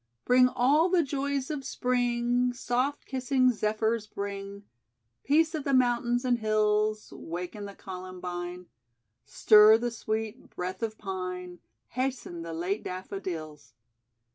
"Bring all the joys of spring, Soft kissing zephyrs bring, Peace of the mountains and hills, Waken the columbine, Stir the sweet breath of pine, Hasten the late daffodils.